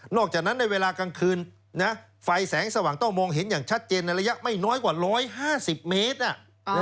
อกจากนั้นในเวลากลางคืนไฟแสงสว่างต้องมองเห็นอย่างชัดเจนในระยะไม่น้อยกว่า๑๕๐เมตร